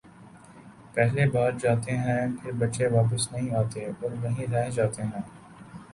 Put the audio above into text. پہلے باہر جا تے ہیں پھر بچے واپس نہیں آتے اور وہیں رہ جاتے ہیں